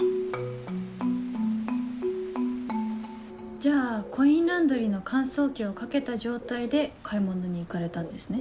じゃあコインランドリーの乾燥機をかけた状態で買い物に行かれたんですね？